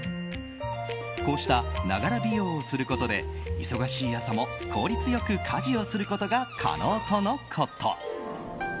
こうしたながら美容をすることで忙しい朝も効率よく家事をすることが可能とのこと。